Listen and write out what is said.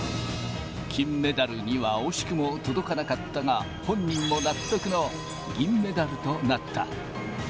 金メダルには惜しくも届かなかったが、本人も納得の銀メダルとなった。